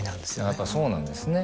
やっぱそうなんですね。